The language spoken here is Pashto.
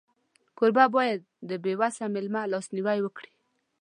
کوربه باید د بېوسه مېلمه لاسنیوی وکړي.